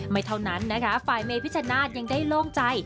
เท่านั้นนะคะฝ่ายเมพิชนาธิ์ยังได้โล่งใจ